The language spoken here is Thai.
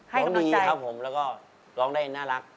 ให้กำลังใจร้องดีครับผมแล้วก็ร้องได้น่ารัก